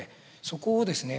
そこをですね